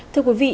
thưa quý vị